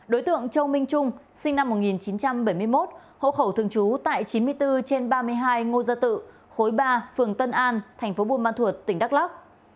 đối tượng châu minh trung sinh năm một nghìn chín trăm bảy mươi một hộ khẩu thường trú tại chín mươi bốn trên ba mươi hai ngô gia tự khối ba phường tân an thành phố buôn ma thuột tỉnh đắk lắc